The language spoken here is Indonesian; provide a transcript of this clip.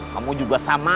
kamu juga sama